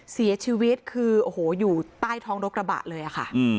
เสียชีวิตคือโอ้โหอยู่ใต้ท้องรถกระบะเลยค่ะ